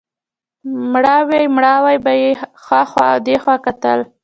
مړاوی مړاوی به یې هخوا او دېخوا کتل.